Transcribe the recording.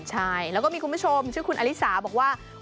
ใช่แล้วก็มีคุณผู้ชมชื่อคุณอลิสาบอกว่า